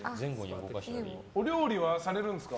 お料理はするんですか？